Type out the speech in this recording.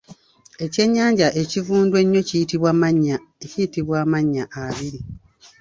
Ekyennyanja ekivundu ennyo kiyitibwa amannya abiri.